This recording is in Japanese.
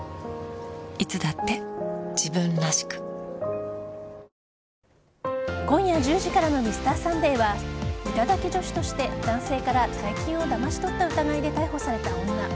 その行く末が日本の安全保障を今夜１０時からの「Ｍｒ．サンデー」は頂き女子として男性から大金をだまし取った疑いで逮捕された女。